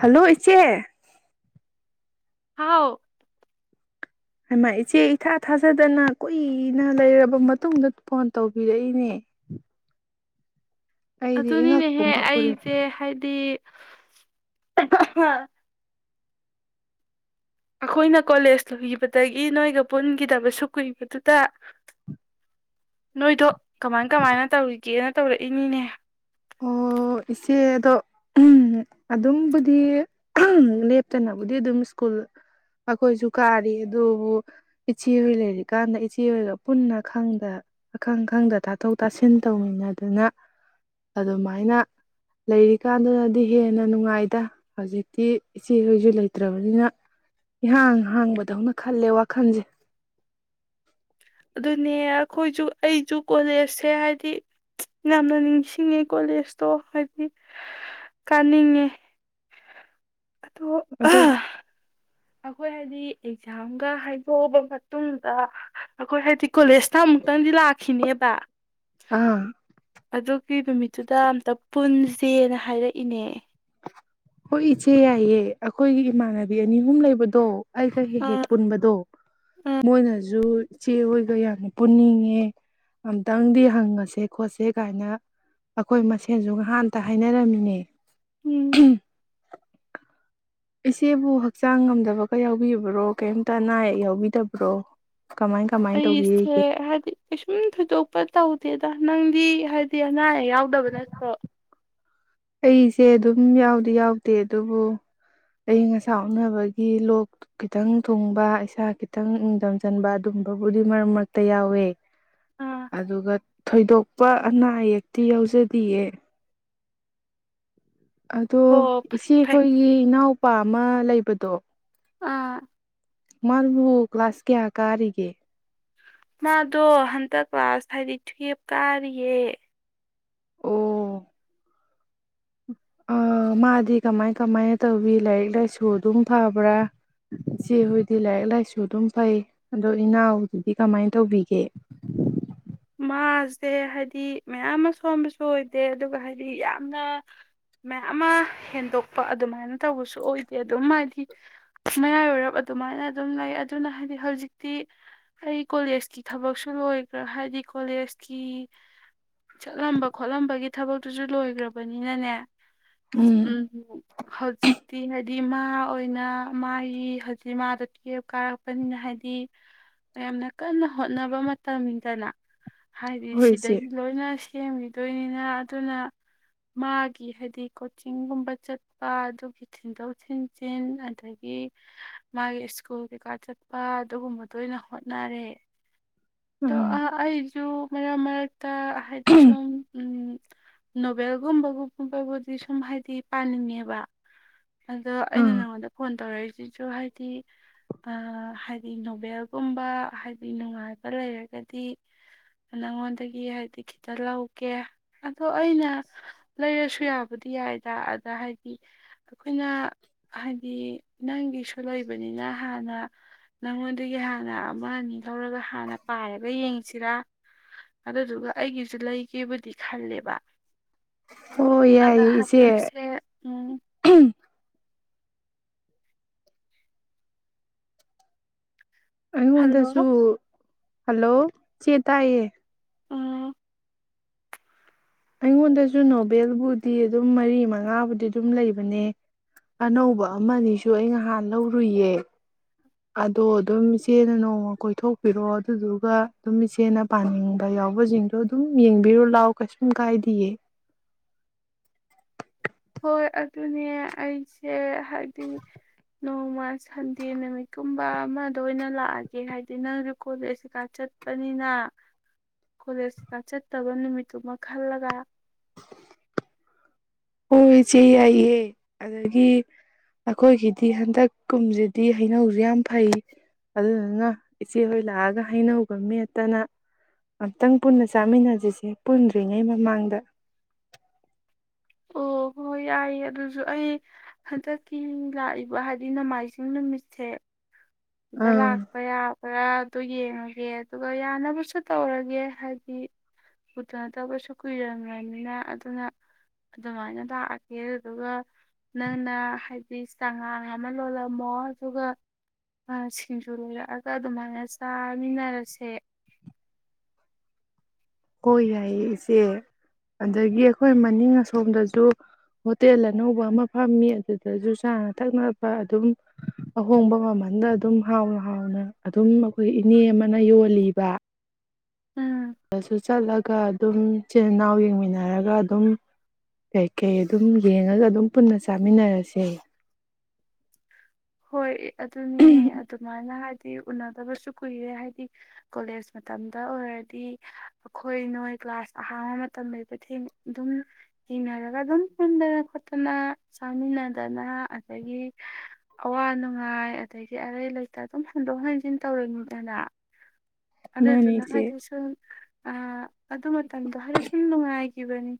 hello ꯏꯆꯦ ꯍꯥꯎ ꯍꯥꯏꯃ ꯏꯆꯦ ꯏꯊꯥ ꯊꯥꯖꯗꯅ ꯀꯨꯏꯅ ꯂꯩꯔꯕ ꯃꯇꯨꯡꯗ ꯐꯣꯟ ꯇꯧꯕꯤꯔꯛꯏꯅꯦ ꯑꯩꯗꯤ ꯏꯉꯛ ꯑꯗꯨꯅꯤꯅꯦꯍꯦ ꯄꯨꯉꯛꯎꯔꯦ ꯑꯩꯁꯦ ꯍꯥꯏꯗꯤ [inaudible] ꯑꯩꯈꯣꯏꯅ ꯀꯣꯂꯦꯖ ꯂꯨꯕꯗꯒꯤ ꯅꯣꯏꯒ ꯄꯨꯟꯈꯤꯗꯕꯁꯨ ꯀꯨꯏꯕꯗꯨꯗ ꯅꯣꯏꯗꯣ ꯀꯃꯥꯏ ꯀꯃꯥꯏꯅ ꯇꯧꯔꯤꯒꯦꯅ ꯇꯧꯔꯛꯏꯅꯤꯅꯦ ꯑꯣ ꯏꯆꯦ ꯑꯗꯣ ꯑꯗꯨꯝꯕꯨꯗꯤ ꯂꯦꯞꯇꯅꯕꯨꯗꯤ ꯑꯗꯨꯝ ꯁ꯭ꯀꯨꯜ ꯑꯩꯈꯣꯏꯁꯨ ꯀꯥꯔꯤ ꯑꯗꯨꯕꯨ ꯏꯆꯦ ꯍꯣꯏ ꯂꯩꯔꯤꯀꯥꯟꯗ ꯏꯆꯦꯍꯣꯏꯒ ꯄꯨꯟꯅ ꯈꯪꯗ ꯑꯈꯪ ꯈꯪꯗ ꯇꯥꯊꯣꯛ ꯇꯥꯁꯤꯟ ꯇꯧꯃꯤꯟꯅꯗꯅ ꯑꯗꯨꯃꯥꯏꯅ ꯂꯩꯔꯤꯀꯥꯟꯗꯨꯗꯗꯤ ꯍꯦꯟꯅ ꯅꯨꯡꯉꯥꯏꯗ ꯍꯧꯖꯤꯛꯇꯤ ꯏꯆꯦꯈꯣꯏꯁꯨ ꯂꯩꯇ꯭ꯔꯕꯅꯤꯅ ꯏꯍꯥꯡ ꯍꯥꯡꯕꯗꯧꯅ ꯈꯜꯂꯦ ꯋꯥꯈꯜꯁꯦ ꯑꯗꯨꯅꯦ ꯑꯩꯈꯣꯏꯁꯨ ꯑꯩꯁꯨ ꯀꯣꯂꯦꯖꯁꯦ ꯍꯥꯏꯗꯤ ꯌꯥꯝꯅ ꯅꯤꯡꯁꯤꯡꯉꯦ ꯀꯣꯂꯦꯖꯇꯣ ꯍꯥꯏꯗꯤ ꯀꯥꯅꯤꯡꯉꯦ ꯑꯣ ꯑ ꯑꯗꯨ ꯑꯩꯈꯣꯏ ꯍꯥꯏꯗꯤ ꯑꯦꯛꯖꯥꯝꯒ ꯍꯥꯏꯗꯣꯛꯑꯕ ꯃꯇꯨꯡꯗ ꯑꯩꯈꯣꯏ ꯍꯥꯏꯗꯤ ꯀꯣꯂꯦꯖꯇ ꯑꯃꯨꯛꯇꯪꯗꯤ ꯂꯥꯛꯈꯤꯅꯦꯕ ꯑꯥ ꯑꯗꯨ ꯀꯔꯤꯕ ꯅꯨꯃꯤꯠꯇꯨꯗ ꯑꯝꯇ ꯄꯨꯟꯁꯦꯅ ꯍꯥꯏꯔꯛꯏꯅꯦ ꯍꯣꯏ ꯏꯆꯦ ꯌꯥꯏꯌꯦ ꯑꯩꯈꯣꯏꯒꯤ ꯏꯃꯥꯟꯅꯕꯤ ꯑꯅꯤ ꯑꯍꯨꯝ ꯂꯩꯕꯗꯣ ꯑꯩꯒ ꯍꯦꯛ ꯑꯥ ꯍꯦꯛ ꯄꯨꯟꯕꯗꯣ ꯃꯣꯏꯅꯁꯨ ꯏꯆꯦ ꯍꯣꯏꯒ ꯌꯥꯝꯅ ꯄꯨꯟꯅꯤꯡꯉꯦ ꯑꯝꯇꯪꯗꯤ ꯍꯪꯉꯁꯦ ꯈꯣꯠꯁꯦ ꯀꯥꯏꯅ ꯑꯩꯈꯣꯏ ꯃꯁꯦꯟꯁꯨ ꯉꯍꯥꯟꯇ ꯍꯥꯏꯅꯔꯝꯃꯤꯅꯦ ꯎꯝ ꯏꯆꯦꯕꯨ ꯍꯛꯆꯥꯡ ꯉꯝꯗꯕꯒ ꯌꯥꯎꯕꯤꯕ꯭ꯔꯣ ꯀꯩꯝꯇ ꯑꯅꯥ ꯑꯌꯦꯛ ꯌꯥꯎꯕꯤꯗꯕ꯭ꯔꯣ ꯀꯃꯥꯏ ꯀꯃꯥꯏꯅ ꯑꯩꯁꯦ ꯇꯧꯕꯤꯔꯤꯒꯦ ꯍꯥꯏꯗꯤ ꯀꯩꯁꯨꯝ ꯊꯣꯏꯗꯣꯛꯄ ꯇꯧꯗꯦꯗ ꯅꯪꯗꯤ ꯍꯥꯏꯗꯤ ꯑꯅꯥ ꯑꯌꯦꯛ ꯌꯥꯎꯗꯕ ꯅꯠꯇ꯭ꯔꯣ ꯑꯩꯁꯦ ꯑꯗꯨꯝ ꯌꯥꯎꯗꯤ ꯌꯥꯎꯗꯦ ꯑꯗꯨꯕꯨ ꯑꯏꯪ ꯑꯁꯥ ꯎꯅꯕꯒꯤ ꯂꯣꯛ ꯈꯤꯇꯪ ꯊꯨꯡꯕ ꯏꯁꯥ ꯈꯤꯇꯪ ꯅꯤꯡꯪꯊꯝꯖꯟꯕ ꯑꯗꯨꯝꯕꯕꯨꯗꯤ ꯃꯔꯛ ꯃꯔꯛꯇ ꯌꯥꯎꯋꯦ ꯑꯥ ꯑꯗꯨꯒ ꯊꯣꯏꯗꯣꯛꯄ ꯑꯅꯥ ꯑꯌꯦꯛꯇꯤ ꯌꯥꯎꯖꯗꯤꯌꯦ ꯑꯗꯣ ꯍꯣ ꯐꯩ ꯐꯩ ꯏꯆꯦꯈꯣꯏꯒꯤ ꯏꯅꯥꯎꯄꯥ ꯑꯃ ꯂꯩꯕ ꯎꯞꯄꯗꯣ ꯑꯥ ꯃꯥꯜꯕꯨ ꯀ꯭ꯂꯥꯁ ꯀꯦꯌꯥ ꯀꯥꯒꯤ ꯃꯥꯗꯣ ꯍꯟꯗꯛ ꯂꯥꯁ ꯍꯥꯏꯗꯤ ꯇꯨꯌꯦꯦꯞ ꯀꯥꯔꯤꯌꯦ ꯑꯣ ꯑ ꯃꯥꯗꯤ ꯀꯃꯥꯏ ꯀꯃꯥꯏꯅ ꯇꯧꯕꯤ ꯂꯥꯏꯔꯤꯛ ꯂꯥꯏꯁꯨ ꯑꯗꯨꯝ ꯐꯕ꯭ꯔꯥ ꯏꯆꯦ ꯍꯣꯏꯗꯤ ꯂꯥꯏꯔꯤꯛ ꯂꯥꯏꯁꯨ ꯑꯗꯨꯝ ꯐꯩ ꯑꯗꯣ ꯏꯅꯥꯎꯗꯨꯗꯤ ꯀꯃꯥꯏꯅ ꯇꯧꯕꯤꯒꯦ ꯃꯥꯁꯦ ꯍꯥꯏꯗꯤ ꯃꯌꯥꯝ ꯑꯃ ꯁꯣꯟꯕꯁꯨ ꯑꯣꯏꯗꯦ ꯑꯗꯨꯒ ꯍꯥꯏꯗꯤ ꯌꯥꯝꯅ ꯃꯌꯥꯝ ꯑꯃ ꯍꯦꯟꯗꯣꯛꯄ ꯑꯗꯨꯃꯥꯏꯅ ꯇꯧꯕꯁꯨ ꯑꯣꯏꯗꯦ ꯑꯗꯨꯝ ꯍꯥꯏꯗꯤ ꯃꯌꯥꯏ ꯑꯣꯏꯔꯞ ꯑꯗꯨꯃꯥꯏꯅ ꯑꯗꯨꯝ ꯂꯩ ꯑꯗꯨꯅ ꯍꯥꯏꯗꯤ ꯍꯧꯖꯤꯛꯇꯤ ꯑꯩ ꯀꯣꯂꯦꯖꯀꯤ ꯊꯕꯛꯁꯨ ꯂꯣꯏꯈ꯭ꯔꯥ ꯍꯥꯏꯗꯤ ꯀꯣꯂꯦꯖꯀꯤ ꯆꯠꯂꯝꯕ ꯈꯣꯠꯂꯝꯕꯒꯤ ꯊꯕꯛꯇꯨꯁꯨ ꯂꯣꯏꯈ꯭ꯔꯕꯅꯤꯅꯅꯦ ꯎꯝ ꯍꯧꯖꯤꯛ ꯇꯤ ꯍꯥꯏꯗꯤ ꯃꯥ ꯑꯣꯏꯅ ꯃꯥꯒꯤ ꯍꯧꯖꯤꯛ ꯃꯥꯗꯣ ꯀꯦꯞ ꯀꯥꯔꯛꯄꯅꯤꯅ ꯍꯥꯏꯗꯤ ꯌꯥꯝꯅ ꯀꯟꯅ ꯍꯣꯠꯅꯕ ꯃꯇꯝꯅꯤꯗꯅ ꯍꯥꯏꯗꯤ ꯍꯣꯏ ꯏꯆꯦ ꯁꯤꯗꯒꯤ ꯂꯣꯏꯅ ꯁꯦꯝꯈꯤꯗꯣꯏꯅꯤꯅ ꯑꯗꯨꯅ ꯃꯥꯒꯤ ꯍꯥꯏꯗꯤ ꯀꯣꯆꯤꯡꯒꯨꯝꯕ ꯆꯠꯄ ꯑꯗꯨꯒꯤ ꯊꯤꯟꯗꯣꯛ ꯊꯤꯟꯖꯤꯟ ꯑꯗꯒꯤ ꯃꯥꯒꯤ ꯁ꯭ꯀꯨꯜ ꯀꯩꯀꯥ ꯆꯠꯄ ꯑꯗꯨꯒꯨꯝꯕꯗ ꯑꯣꯏꯅ ꯍꯣꯠꯅꯔꯦ ꯑꯗꯣ ꯑꯥ ꯑꯩꯁꯨ ꯃꯔꯛ ꯃꯔꯛꯇ ꯍꯥꯏꯗꯤ ꯁꯨꯝ ꯎ ꯅꯣꯚꯦꯜꯒꯨꯝꯕꯒꯨꯝꯨꯝꯕꯕꯨꯗꯤ ꯁꯨꯝ ꯍꯥꯏꯕꯗꯤ ꯄꯥꯅꯤꯡꯉꯦꯕ ꯑꯗꯣ ꯑꯩꯅ ꯑꯥ ꯅꯉꯣꯟꯗ ꯐꯣꯟ ꯇꯧꯔꯛꯏꯁꯤꯁꯨ ꯍꯥꯏꯗꯤ ꯍꯥꯏꯗꯤ ꯅꯣꯕꯦꯜꯒꯨꯝꯕ ꯍꯥꯏꯗꯤ ꯅꯨꯡꯉꯥꯏꯕ ꯂꯩꯔꯒꯗꯤ ꯅꯉꯣꯟꯗꯒꯤ ꯍꯥꯏꯗꯤ ꯈꯤꯇꯪ ꯂꯧꯒꯦ ꯑꯗꯣ ꯑꯩꯅ ꯂꯩꯔꯁꯨ ꯌꯥꯕꯨꯗꯤ ꯌꯥꯏꯗ ꯑꯗ ꯍꯥꯏꯗꯤ ꯑꯩꯈꯣꯏꯅ ꯍꯥꯏꯗꯤ ꯅꯪꯒꯤꯁꯨ ꯂꯩꯕꯅꯤꯅ ꯍꯥꯟꯅ ꯅꯪꯉꯣꯟꯗꯒꯤ ꯍꯥꯟꯅ ꯑꯃ ꯑꯅꯤ ꯂꯧꯔꯒ ꯍꯥꯟꯅ ꯄꯥꯏꯔꯒ ꯌꯦꯡ ꯁꯤꯔꯥ ꯑꯗꯨꯗꯨꯒ ꯑꯩꯒꯤꯁꯨ ꯂꯩꯒꯦꯕꯨꯗꯤ ꯈꯜꯂꯦꯕ ꯑꯣ ꯑꯗ ꯌꯥꯏꯑꯦ ꯏꯆꯦ ꯍꯟꯗꯛꯁꯦ ꯎꯝ ꯑꯩꯉꯣꯟꯗꯁꯨ ꯍꯜꯂꯣ ꯍꯜꯂꯣ ꯆꯦ ꯇꯥꯏꯌꯦ ꯎꯝ ꯑꯩꯉꯣꯟꯗꯁꯨ ꯅꯣꯚꯦꯜꯕꯨꯗꯤ ꯑꯗꯨꯝ ꯃꯔꯤ ꯃꯉꯥꯕꯨꯗꯤ ꯑꯗꯨꯝ ꯂꯩꯕꯅꯦ ꯑꯅꯧꯕ ꯑꯃꯅꯤꯁꯨ ꯑꯩ ꯅꯍꯥꯟ ꯂꯧꯔꯨꯏꯌꯦ ꯑꯗꯣ ꯑꯗꯨꯝ ꯏꯆꯦꯅ ꯅꯣꯡꯃ ꯀꯣꯏꯊꯣꯛꯄꯤꯔꯣ ꯑꯗꯨꯗꯨꯒ ꯑꯗꯨꯝ ꯏꯆꯦꯅ ꯄꯥꯅꯤꯡꯕ ꯌꯥꯎꯕꯁꯤꯡꯗꯣ ꯑꯗꯨꯝ ꯌꯦꯡꯕꯤꯔꯣ ꯂꯥꯛꯑꯣ ꯀꯩꯁꯨꯝ ꯀꯥꯏꯗꯌꯦ ꯍꯣꯏ ꯑꯗꯨꯅꯦ ꯑꯩꯁꯦ ꯍꯥꯏꯕꯗꯤ ꯅꯣꯡꯃ ꯁꯟꯗꯦ ꯅꯨꯃꯤꯠꯀꯨꯝꯕ ꯑꯃꯗ ꯑꯣꯏꯅ ꯂꯥꯛꯑꯒꯦ ꯍꯥꯏꯕꯗꯤ ꯅꯪꯁꯨ ꯀꯣꯂꯦꯖ ꯀꯩꯀꯥ ꯆꯠꯄꯅꯤꯅ ꯀꯣꯂꯦꯖ ꯀꯩꯀꯥ ꯆꯠꯇꯕ ꯅꯨꯃꯤꯠꯇꯨꯃ ꯈꯜꯂꯒ ꯍꯣꯏ ꯏꯆꯦ ꯌꯥꯏꯌꯦ ꯑꯗꯒꯤ ꯑꯩꯈꯣꯏꯒꯤꯗꯤ ꯍꯟꯗꯛ ꯀꯨꯝꯁꯤꯗꯤ ꯍꯩꯅꯧꯁꯤ ꯌꯥꯝ ꯐꯩ ꯑꯗꯨꯗꯨꯅ ꯏꯆꯦꯍꯣꯏ ꯂꯥꯛꯑꯒ ꯍꯩꯅꯒ ꯃꯦꯠꯇꯅ ꯑꯝꯇꯪ ꯄꯨꯟꯅ ꯆꯥꯃꯤꯟꯅꯁꯤꯁꯦ ꯄꯨꯟꯗ꯭ꯔꯤꯉꯩ ꯃꯃꯥꯡꯗ ꯑꯣ ꯍꯣꯏ ꯌꯥꯏ ꯑꯗꯨꯁꯨ ꯑꯩ ꯍꯟꯗꯛꯀꯤ ꯂꯥꯛꯏꯕ ꯍꯥꯏꯗꯤ ꯅꯣꯡꯃꯥꯏꯖꯤꯡ ꯅꯨꯃꯤꯠꯁꯦ ꯁꯤꯗ ꯑꯥ ꯂꯥꯛꯄ ꯌꯥꯕ꯭ꯔꯥ ꯇꯨ ꯌꯦꯡꯉꯒꯦ ꯑꯗꯨꯒ ꯌꯥꯅꯕꯁꯨ ꯇꯧꯔꯒꯦ ꯍꯥꯏꯗꯤ ꯎꯅꯗꯕꯁꯨ ꯀꯨꯏꯔꯕꯅꯤꯅ ꯑꯗꯨꯅ ꯑꯗꯨꯃꯥꯏꯅ ꯂꯥꯛꯑꯒꯦ ꯑꯗꯨꯒ ꯅꯪꯅ ꯍꯥꯏꯗꯤ ꯆꯉꯥꯡ ꯑꯃ ꯂꯣꯜꯂꯝꯃꯣ ꯑꯗꯨꯒ ꯁꯤꯡꯖꯨ ꯂꯩꯔꯛꯑꯒ ꯑꯗꯨꯃꯥꯏꯅ ꯆꯥꯃꯤꯟꯅꯔꯁꯦ ꯍꯣꯏ ꯌꯥꯏꯌꯦ ꯏꯆꯦ ꯑꯗꯒꯤ ꯑꯩꯈꯣꯏ ꯃꯅꯤꯡ ꯑꯁꯣꯝꯗꯁꯨ ꯍꯣꯇꯦꯜ ꯑꯅꯧꯕ ꯑꯃ ꯐꯝꯃꯤ ꯑꯗꯨꯗꯁꯨ ꯆꯥꯅ ꯊꯛ ꯑꯗꯨꯝ ꯑꯍꯣꯡꯕ ꯃꯃꯟꯗ ꯑꯗꯨꯝ ꯍꯥꯎꯅ ꯍꯥꯎꯅ ꯑꯗꯨꯝ ꯑꯩꯈꯣꯏ ꯏꯅꯦ ꯑꯃꯅ ꯌꯣꯜꯂꯤꯕ ꯎꯝ [unintelligible] ꯆꯠꯂꯒ ꯑꯗꯨꯝ ꯏꯆꯤꯟ ꯏꯅꯥꯎ ꯌꯦꯡꯃꯤꯟꯅꯔꯒ ꯑꯗꯨꯝ ꯀꯩꯀꯩ ꯑꯗꯨꯝ ꯌꯦꯡꯉꯒ ꯑꯗꯨꯝ ꯄꯨꯟꯅ ꯆꯥꯃꯤꯟꯅꯔꯁꯦ ꯍꯣꯏ ꯑꯗꯨꯅꯦ ꯑꯗꯨꯃꯥꯏꯅ ꯍꯥꯏ ꯍꯥꯏꯗꯤ ꯎꯅꯗꯕꯁꯨ ꯀꯨꯏꯔꯦ ꯍꯥꯏꯗꯤ ꯀꯣꯂꯦꯖ ꯃꯇꯝꯗ ꯑꯣꯏꯔꯗꯤ ꯑꯩꯈꯣꯏ ꯅꯣꯏ ꯀ꯭ꯂꯥꯁ ꯑꯍꯥꯡꯕ ꯃꯇꯝ ꯂꯩꯕ ꯑꯗꯨꯝ ꯊꯦꯡꯅꯔꯒ ꯑꯗꯨꯝ ꯍꯦꯟꯗꯅ ꯄꯨꯟꯗꯅ ꯈꯣꯠꯇꯅ ꯆꯥꯃꯤꯟꯅꯗꯅ ꯑꯗꯒꯤ ꯑꯋꯥ ꯅꯨꯡꯉꯥꯏ ꯑꯗꯒꯤ ꯑꯔꯩ ꯂꯩꯇ ꯑꯗꯨꯝ ꯍꯟꯗꯣꯛ ꯍꯦꯟꯖꯤꯟ ꯇꯧꯔꯅꯤꯗꯅ ꯃꯥꯅꯦ ꯑꯗꯨꯗꯨꯅ ꯏꯆꯦ ꯍꯥꯏꯗꯤ ꯁꯨꯝ ꯑꯗꯨ ꯃꯇꯝꯗꯣ ꯍꯥꯏꯗꯤ ꯁꯨꯝ ꯅꯨꯡꯉꯥꯏꯈꯤꯕꯅꯤ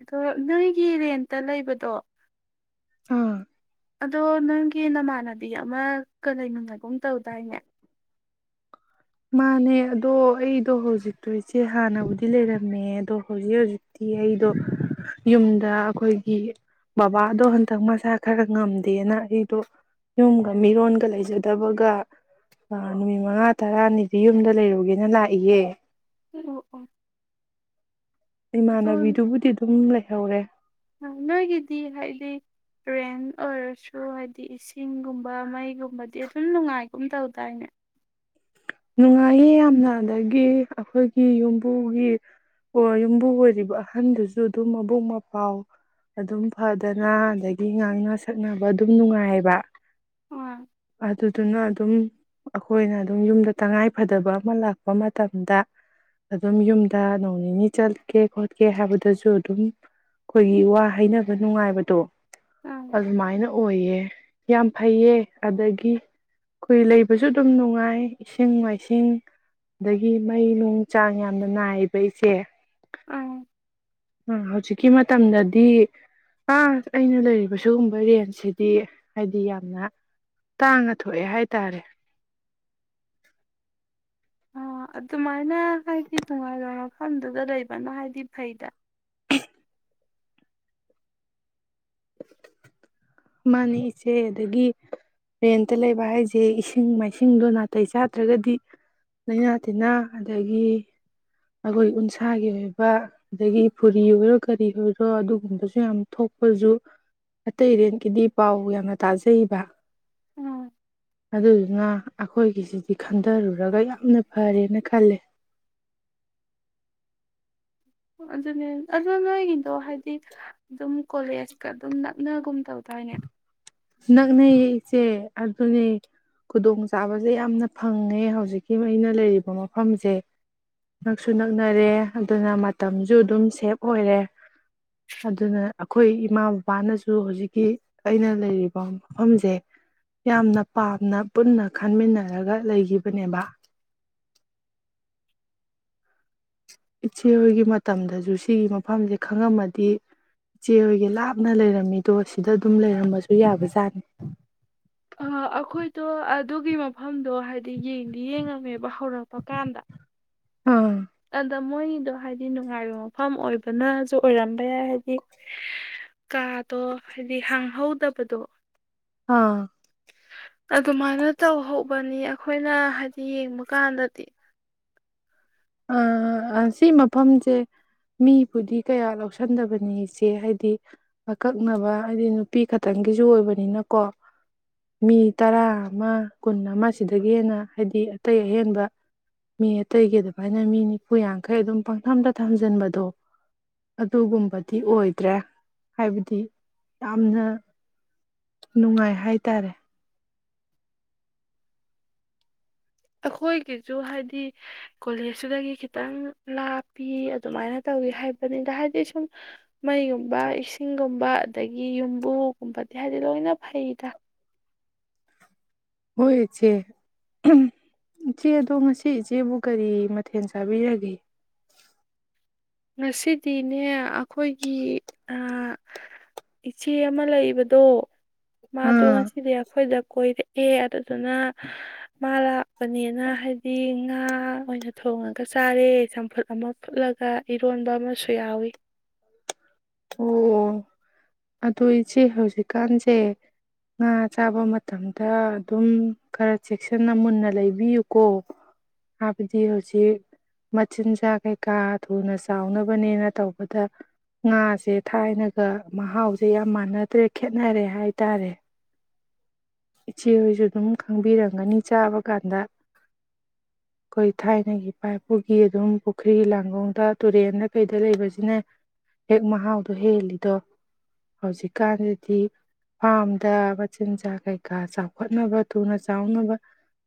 ꯑꯗꯣ ꯅꯣꯏꯒꯤ ꯔꯦꯟꯇ ꯂꯩꯕꯗꯣ ꯑꯥ ꯑꯗꯣ ꯅꯪꯒꯤ ꯅꯃꯥꯟꯅꯕꯤ ꯑꯃꯒ ꯂꯩꯃꯤꯟꯅꯒꯨꯝ ꯇꯧꯗꯥꯏꯅꯦ ꯃꯥꯅꯦ ꯑꯗꯣ ꯑꯩꯗꯣ ꯍꯧꯖꯤꯛꯇꯣ ꯏꯆꯦ ꯍꯥꯟꯅꯕꯨꯗꯤ ꯂꯩꯔꯝꯃꯦ ꯑꯗꯣ ꯍꯧꯖꯤꯛ ꯍꯧꯖꯤꯛꯇꯤ ꯑꯩꯗꯣ ꯌꯨꯝꯗ ꯑꯩꯈꯣꯏꯒꯤ ꯕꯕꯥꯗꯣ ꯍꯟꯇꯛ ꯃꯁꯥ ꯈꯔ ꯉꯝꯗꯦꯅ ꯑꯩꯗꯣ ꯌꯨꯝꯒ ꯃꯤꯔꯣꯟꯒ ꯂꯩꯖꯗꯕꯒ ꯅꯨꯃꯤꯠ ꯃꯉꯥ ꯇꯔꯥꯅꯤꯗꯤ ꯌꯨꯝꯗ ꯂꯩꯔꯨꯒꯦꯅ ꯂꯥꯛꯏꯌꯦ ꯑꯣ ꯑꯣ ꯑꯗꯣ ꯏꯃꯥꯟꯅꯕꯤꯗꯨꯕꯨꯗꯤ ꯑꯗꯨꯝ ꯂꯩ ꯍꯧꯔꯦ ꯅꯣꯏꯒꯤꯗꯤ ꯍꯥꯏꯗꯤ ꯔꯦꯟ ꯑꯣꯏꯔꯁꯨ ꯍꯥꯏꯗꯤ ꯏꯁꯤꯡꯒꯨꯝꯕ ꯃꯩꯒꯨꯝꯕꯗꯤ ꯑꯗꯨꯝ ꯅꯨꯡꯉꯥꯏꯒꯨꯝ ꯇꯧꯗꯥꯏꯅꯦ ꯅꯨꯡꯉꯥꯏꯌꯦ ꯌꯥꯝꯅ ꯑꯗꯒꯤ ꯑꯩꯈꯣꯏꯒꯤ ꯌꯨꯝꯕꯨꯒꯤ ꯑꯣ ꯌꯨꯝꯕꯨ ꯑꯣꯏꯔꯤꯕ ꯑꯍꯟꯗꯨꯁꯨ ꯑꯗꯨꯝ ꯃꯕꯨꯛ ꯃꯄꯥꯎ ꯑꯗꯨꯝ ꯐꯗꯅ ꯑꯗꯒꯤ ꯉꯥꯡꯅ ꯁꯛꯅꯕ ꯑꯗꯨꯝ ꯅꯨꯡꯉꯥꯏꯌꯦꯕ ꯑ ꯑꯗꯨꯗꯨꯅ ꯑꯗꯨꯝ ꯑꯩꯈꯣꯏꯅ ꯑꯗꯨꯝ ꯌꯨꯝꯗ ꯇꯉꯥꯏ ꯐꯗꯕ ꯑꯃ ꯂꯥꯛꯄ ꯃꯇꯝꯗ ꯑꯗꯨꯝ ꯌꯨꯝꯗ ꯅꯣꯡ ꯅꯤꯅꯤ ꯆꯠꯀꯦ ꯈꯣꯠꯀꯦ ꯍꯥꯏꯕꯗꯁꯨ ꯑꯗꯨꯝ ꯑꯩꯈꯣꯏꯒꯤ ꯋꯥ ꯍꯩꯅꯕ ꯅꯨꯡꯉꯥꯏꯕꯗꯣ ꯑꯥ ꯑꯗꯨꯃꯥꯏꯅ ꯑꯣꯏꯌꯦ ꯌꯥꯝ ꯐꯩꯌꯦ ꯑꯗꯒꯤ ꯑꯩꯈꯣꯏ ꯂꯩꯕꯁꯨ ꯑꯗꯨꯝ ꯅꯨꯡꯉꯥꯏ ꯏꯁꯤꯡ ꯃꯥꯏꯁꯤꯡ ꯑꯗꯒꯤ ꯃꯩ ꯅꯨꯡ ꯆꯥꯡ ꯌꯥꯝꯅ ꯅꯥꯏꯌꯦꯕ ꯏꯆꯦ ꯑꯪ ꯎꯝ ꯍꯧꯖꯤꯛꯀꯤ ꯃꯇꯝꯗꯗꯤ ꯑꯥ ꯑꯩꯅ ꯂꯩꯔꯤꯕ ꯁꯤꯒꯨꯝꯕ ꯔꯦꯟꯖꯁꯤꯗꯤ ꯍꯥꯏꯗꯤ ꯌꯥꯝꯅ ꯇꯥꯡꯅ ꯊꯣꯛꯑꯦ ꯍꯥꯏ ꯇꯥꯔꯦ ꯑ ꯑꯗꯨꯃꯥꯏ [unintelligible] ꯃꯐꯝꯗꯨꯗ ꯂꯩꯕꯅ ꯍꯥꯏꯗꯤ ꯐꯩꯗ ꯃꯥꯅꯦ ꯏꯆꯦ ꯑꯗꯒꯤ ꯔꯦꯟꯇ ꯂꯩꯕ ꯍꯥꯏꯁꯦ ꯏꯁꯤꯡ ꯃꯥꯏꯁꯤꯡꯗꯣ ꯅꯥꯇꯩ ꯆꯥꯗ꯭ꯔꯒꯗꯤ ꯂꯩꯥꯏꯅꯥ ꯇꯤꯟꯅꯥ ꯑꯗꯒꯤ ꯑꯈꯣꯏ ꯎꯟꯁꯥꯒꯤ ꯑꯣꯏꯕ ꯑꯗꯒꯤ ꯐꯨꯔꯤ ꯑꯣꯏꯔꯣ ꯀꯔꯤ ꯑꯣꯏꯔꯣ ꯑꯗꯨꯒꯨꯝꯕꯁꯨ ꯌꯥꯝ ꯊꯣꯛꯄꯁꯨ ꯑꯇꯩꯔꯦꯟꯀꯤꯗꯤ ꯄꯥꯎ ꯌꯥꯝꯅ ꯇꯥꯖꯩꯕ ꯎꯝ ꯑꯗꯨꯗꯨꯅ ꯑꯈꯣꯏꯒꯤꯁꯤꯗꯤ ꯈꯟꯊꯔꯨꯔꯒ ꯌꯥꯝꯅ ꯐꯔꯦꯅ ꯈꯜꯂꯦ ꯑꯗꯨꯅꯦ ꯑꯗꯣ ꯅꯣꯏꯒꯤꯗꯣ ꯍꯥꯏꯗꯤ ꯑꯗꯨꯝ ꯀꯣꯂꯦꯖꯀ ꯑꯗꯨꯝ ꯅꯛꯅꯒꯨꯝ ꯇꯧꯗꯥꯏꯅꯦ ꯅꯛꯅꯩꯌꯦ ꯆꯦ ꯑꯗꯨꯅꯦ ꯈꯨꯗꯣꯡ ꯆꯥꯕꯁꯦ ꯌꯥꯝꯅ ꯐꯪꯉꯦ ꯍꯧꯖꯤꯛꯀꯤ ꯑꯩꯅ ꯂꯩꯔꯤꯕ ꯃꯐꯝꯁꯦ ꯅꯛꯁꯨ ꯅꯛꯅꯔꯦ ꯑꯗꯨꯅ ꯃꯇꯝꯁꯨ ꯑꯗꯨꯝ ꯁꯦꯞ ꯑꯣꯏꯔꯦ ꯑꯗꯨꯅ ꯑꯈꯣꯏ ꯏꯃꯥ ꯕꯕꯥꯅꯁꯨ ꯍꯧꯖꯤꯛꯀꯤ ꯑꯩꯅ ꯂꯩꯔꯤꯕ ꯃꯐꯝꯁꯦ ꯌꯥꯝꯅ ꯄꯥꯝꯅ ꯄꯨꯟꯅ ꯈꯟꯃꯤꯟꯅꯔꯒ ꯂꯩꯈꯤꯕꯅꯦꯕ ꯏꯆꯦ ꯍꯣꯏꯒꯤ ꯃꯇꯝꯗꯁꯨ ꯁꯤꯒꯤ ꯃꯐꯝꯁꯦ ꯈꯪꯉꯝꯃꯗꯤ ꯏꯆꯦ ꯍꯣꯏꯒꯤ ꯂꯥꯞꯅ ꯂꯩꯔꯝꯃꯤꯗꯣ ꯁꯤꯗ ꯑꯗꯨꯝ ꯂꯩꯔꯝꯃꯁꯨ ꯌꯥꯕꯖꯥꯠꯅꯤ ꯑꯈꯣꯏꯗꯣ ꯑꯗꯨꯒꯤ ꯃꯐꯝꯗꯣ ꯍꯥꯏꯗꯤ ꯌꯦꯡꯗꯤ ꯌꯦꯡꯉꯝꯃꯦꯕ ꯍꯧꯔꯛꯄ ꯀꯥꯟꯗ ꯑꯥ ꯑꯗ ꯃꯣꯏꯒꯤꯗꯣ ꯍꯥꯏꯗꯤ ꯅꯨꯡꯉꯥꯏꯕ ꯃꯐꯝ ꯑꯣꯏꯕꯅꯁꯨ ꯑꯣꯏꯔꯝꯕ ꯌꯥꯏ ꯍꯥꯏꯗꯤ ꯀꯥꯗꯣ ꯍꯥꯏꯗꯤ ꯍꯥꯡꯍꯧꯗꯕꯗꯣ ꯑꯥ ꯑꯗꯨꯃꯥꯏꯅ ꯇꯧꯍꯧꯕꯅꯤ ꯑꯈꯣꯏꯅ ꯍꯥꯏꯗꯤ ꯌꯦꯡꯕ ꯀꯥꯟꯗꯗꯤ ꯁꯤ ꯃꯐꯝꯁꯦ ꯃꯤꯕꯨꯗꯤ ꯀꯌꯥ ꯂꯧꯁꯟꯗꯕꯅꯤ ꯏꯆꯦ ꯍꯥꯏꯗꯤ ꯑꯀꯛꯅꯕ ꯍꯥꯏꯗꯤ ꯅꯨꯄꯤ ꯈꯛꯇꯪꯒꯤꯁꯨ ꯑꯣꯏꯕꯅꯤꯅꯀꯣ ꯃꯤ ꯇꯔꯥ ꯑꯃ ꯀꯨꯟ ꯑꯃꯁꯤꯗꯒꯤ ꯍꯦꯟꯅ ꯍꯥꯏꯗꯤ ꯑꯇꯩ ꯑꯍꯦꯟꯕ ꯃꯤ ꯑꯇꯩꯒꯤꯗ ꯑꯗꯨꯃꯥꯏꯅ ꯃꯤ ꯅꯤꯐꯨ ꯌꯥꯡꯈꯩ ꯑꯗꯨꯝ ꯄꯪꯊꯝꯗ ꯊꯝꯖꯤꯟꯕꯗꯣ ꯑꯗꯨꯒꯨꯝꯕꯗꯤ ꯑꯣꯏꯗ꯭ꯔꯦ ꯍꯥꯏꯕꯗꯤ ꯌꯥꯝꯅ ꯅꯨꯡꯉꯥꯏ ꯍꯥꯏꯇꯥꯔꯦ ꯑꯈꯣꯏꯒꯤꯁꯨ ꯍꯥꯏꯗꯤ ꯀꯣꯂꯦꯖꯇꯨꯗꯒꯤ ꯈꯤꯇꯪ ꯂꯥꯞꯄꯤ ꯑꯗꯨꯃꯥꯏꯅ ꯇꯧꯋꯤ ꯍꯥꯏꯕꯅꯤꯗ ꯍꯥꯏꯗꯤ ꯁꯨꯝ ꯃꯩꯒꯨꯝꯕ ꯏꯁꯤꯡꯒꯨꯝꯕ ꯑꯗꯒꯤ ꯌꯨꯝꯕꯨꯒꯨꯝꯕꯗꯤ ꯍꯥꯏꯕꯗꯤ ꯂꯣꯏꯅ ꯐꯩꯗ ꯍꯣꯏ ꯏꯆꯦ ꯏꯆꯦ ꯑꯗꯣ ꯉꯁꯤ ꯏꯆꯦꯕꯨ ꯀꯔꯤ ꯃꯊꯦꯜ ꯆꯥꯕꯤꯔꯒꯦ ꯉꯁꯤꯗꯤꯅꯦ ꯑꯈꯣꯏꯒꯤ ꯑ ꯏꯆꯦ ꯑꯃ ꯂꯩꯕꯗꯣ ꯃꯥꯗꯣ ꯑꯥ ꯉꯁꯤꯗꯤ ꯑꯈꯣꯏꯗ ꯀꯣꯏꯔꯛꯑꯦ ꯑꯗꯨꯗꯨꯅ ꯃꯥ ꯂꯥꯛꯄꯅꯤꯅ ꯍꯥꯏꯗꯤ ꯉꯥ ꯑꯣꯏꯅ ꯊꯣꯡꯉꯒ ꯆꯥꯔꯦ ꯆꯝꯐꯨꯠ ꯑꯃ ꯐꯨꯠꯂꯒ ꯏꯔꯣꯟꯕ ꯑꯃꯁꯨ ꯌꯥꯎꯋꯤ ꯑꯣ ꯑꯗꯨꯣ ꯏꯆꯦ ꯍꯧꯖꯤꯛꯀꯥꯟꯁꯦ ꯉꯥ ꯆꯥꯕ ꯃꯇꯝꯗ ꯑꯗꯨꯝ ꯈꯔ ꯆꯦꯛꯁꯤꯟꯅ ꯃꯨꯟꯅ ꯂꯩꯕꯤꯌꯨꯀꯣ ꯍꯥꯏꯕꯗꯤ ꯍꯧꯖꯤꯛ ꯃꯆꯤꯟꯖꯥꯛ ꯀꯩꯀꯥ ꯊꯨꯅ ꯆꯥꯎꯅꯕꯅꯦꯅ ꯇꯧꯕꯗ ꯉꯥꯁꯦ ꯊꯥꯏꯅꯒ ꯃꯍꯥꯎꯁꯦ ꯌꯥꯝ ꯃꯥꯟꯅꯗ꯭ꯔꯦ ꯈꯦꯠꯅꯔꯦ ꯍꯥꯏ ꯇꯔꯦ ꯏꯆꯦꯍꯣꯏꯁꯨ ꯑꯗꯨꯝ ꯈꯪꯕꯤꯔꯝꯒꯅꯤ ꯆꯥꯕ ꯀꯥꯟꯗ ꯑꯈꯣꯏ ꯊꯥꯏꯅꯒꯤ ꯏꯄꯥ ꯏꯄꯨꯒꯤ ꯑꯗꯨꯝ ꯄꯨꯈ꯭ꯔꯤ ꯂꯥꯡꯒꯣꯡꯗ ꯇꯨꯔꯦꯟꯗ ꯀꯩꯗ ꯂꯩꯕꯁꯤꯅ ꯍꯦꯛ ꯃꯍꯥꯎꯗꯣ ꯍꯦꯜꯂꯤꯗꯣ ꯍꯧꯖꯤꯛꯀꯥꯟꯗꯗꯤ ꯐꯥꯝꯗ ꯃꯆꯤꯟꯖꯥꯛ ꯀꯩꯩ ꯩꯀꯥ ꯆꯥꯎꯈꯠꯅꯕ ꯊꯨꯅ ꯆꯥꯎꯅꯕ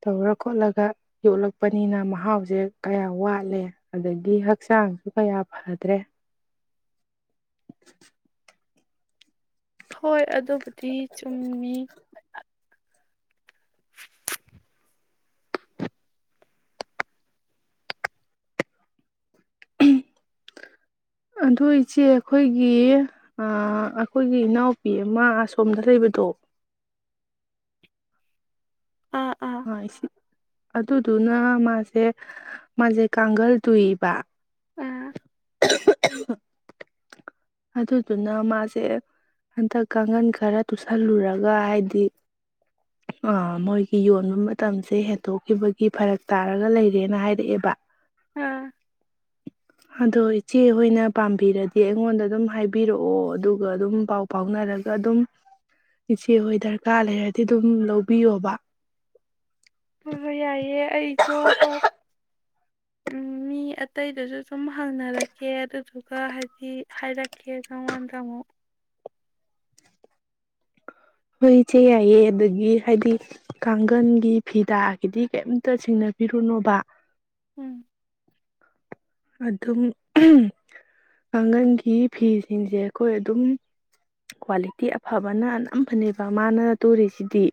ꯇꯧꯔ ꯈꯣꯠꯂꯒ ꯌꯣꯛꯂꯛꯄꯅꯤꯅ ꯃꯍꯥꯎꯁꯦ ꯀꯌꯥ ꯋꯥꯠꯂꯦ ꯑꯗꯒꯤ ꯍꯛꯆꯥꯡꯁꯨ ꯀꯌꯥ ꯐꯗ꯭ꯔꯦ ꯍꯣꯏ ꯑꯗꯨꯕꯨꯗꯤ ꯆꯨꯝꯃꯤ ꯑꯗꯣ ꯏꯆꯦ ꯑꯈꯣꯏꯒꯤ ꯑꯈꯣꯏꯒꯤ ꯏꯅꯥꯎꯄꯤ ꯑꯃ ꯑꯁꯣꯝꯗ ꯂꯩꯕꯗꯣ ꯑ ꯁꯤ ꯑꯗꯨꯗꯨꯅ ꯃꯥꯁꯦ ꯃꯥꯁꯦ ꯀꯥꯡꯒꯜ ꯇꯨꯏꯕ ꯎꯝ [unintelligible] ꯑꯗꯨꯗꯨꯅ ꯃꯥꯁꯦ ꯍꯟꯗꯛ ꯀꯥꯡꯈꯟ ꯈꯔ ꯇꯨꯁꯜꯂꯨꯔꯒ ꯍꯥꯏꯗꯤ ꯑ ꯃꯣꯏꯒꯤ ꯌꯣꯟꯕ ꯃꯇꯝꯁꯦ ꯍꯦꯟꯇꯣꯛꯈꯤꯕꯒꯤ ꯐꯔꯛ ꯇꯥꯔꯒ ꯂꯩꯔꯦꯅ ꯍꯥꯏꯔꯛꯑꯦꯕ ꯑꯥ ꯑꯗꯣ ꯏꯆꯦꯍꯣꯏꯅ ꯄꯥꯝꯕꯤꯔꯗꯤ ꯑꯩꯉꯣꯟꯗ ꯑꯗꯨꯝ ꯍꯥꯏꯕꯤꯔꯛꯑꯣ ꯑꯗꯨꯒ ꯑꯗꯨꯝ ꯄꯥꯎ ꯐꯥꯎꯅꯔꯒ ꯑꯗꯨꯝ ꯏꯆꯦꯍꯣꯏ ꯗꯔꯀꯥꯔ ꯂꯩꯔ ꯗꯨꯝ ꯂꯧꯕꯤꯌꯣꯕ ꯍꯣꯏ ꯍꯣꯏ ꯌꯥꯏ ꯑꯦ ꯑꯩꯁꯨ ꯍꯣꯏ ꯎꯝ ꯃꯤ ꯑꯇꯩꯗꯨꯁꯨ ꯁꯨꯝ ꯍꯪꯅꯔꯛꯀꯦ ꯑꯗꯨꯗꯨꯒ ꯍꯥꯏꯗꯤ ꯍꯥꯏꯔꯛꯀꯦ ꯅꯪꯉꯣꯟꯗ ꯑꯃꯨꯛ ꯍꯣꯏ ꯏꯆꯦ ꯌꯥꯏꯌꯦ ꯑꯗꯨꯗꯤ ꯍꯥꯏꯗꯤ ꯀꯥꯡꯒꯜꯒꯤ ꯐꯤꯗꯥꯒꯤꯗꯤ ꯀꯩꯝꯇ ꯆꯤꯡꯅꯕꯤꯔꯨꯅꯣꯕ ꯎꯝ ꯑꯗꯨꯝ ꯀꯥꯡꯥꯡꯒꯜꯒꯤ ꯐꯤꯁꯤꯡꯁꯦ ꯑꯈꯣꯏ ꯑꯗꯨꯝ ꯀ꯭ꯋꯥꯂꯤꯇꯤ ꯑꯐꯕꯅ ꯌꯥꯝ ꯐꯅꯦꯕ ꯃꯥꯅ ꯇꯨꯔꯤꯁꯤꯗꯤ